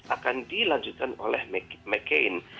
akan dilanjutkan oleh mccain